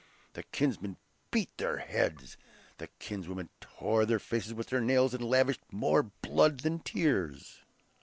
The kinsmen beat their heads; the kinswomen tore their faces with their nails and lavished more blood than tears.